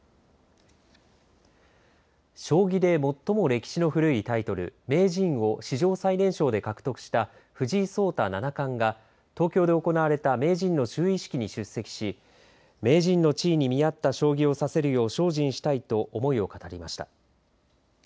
将棋で最も歴史の古いタイトル名人を史上最年少で獲得した藤井聡太七冠が東京で行われた名人の就位式に出席し名人の地位に見合った将棋をさせるよう精進したいと思いを語りました。